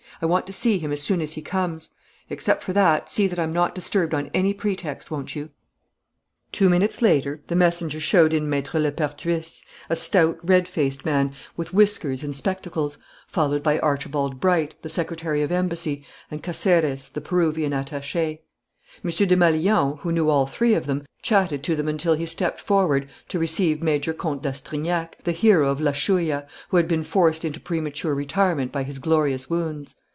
I want to see him as soon as he comes. Except for that, see that I'm not disturbed on any pretext, won't you?" Two minutes later the messenger showed in Maître Lepertuis, a stout, red faced man, with whiskers and spectacles, followed by Archibald Bright, the Secretary of Embassy, and Caceres, the Peruvian attaché. M. Desmalions, who knew all three of them, chatted to them until he stepped forward to receive Major Comte d'Astrignac, the hero of La Chouïa, who had been forced into premature retirement by his glorious wounds.